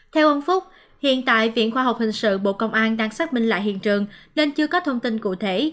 theo ông phúc hiện tại viện khoa học hình sự bộ công an đang xác minh lại hiện trường nên chưa có thông tin cụ thể